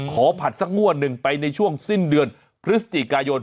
ผัดสักงวดหนึ่งไปในช่วงสิ้นเดือนพฤศจิกายน